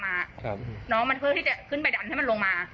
มาเคยที่จะขึ้นไปดังให้มันลงมา